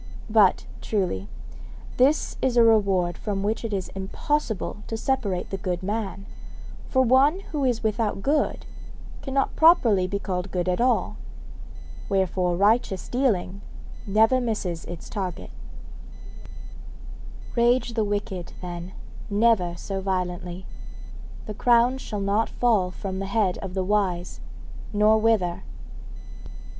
But, truly, this is a reward from which it is impossible to separate the good man, for one who is without good cannot properly be called good at all; wherefore righteous dealing never misses its reward. Rage the wicked, then, never so violently, the crown shall not fall from the head of the wise, nor wither.